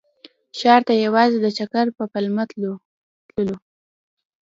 ښار ته یوازې د چکر په پلمه تللو.